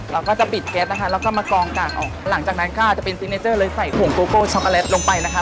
เราก็จะปิดแก๊สนะคะแล้วก็มากองกากออกหลังจากนั้นค่ะจะเป็นซิกเนเจอร์เลยใส่ถุงโกโก้ช็อกโกแลตลงไปนะคะ